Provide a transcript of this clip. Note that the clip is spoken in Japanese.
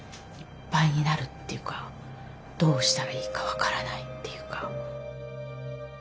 いっぱいになるっていうかどうしたらいいか分からないっていうか。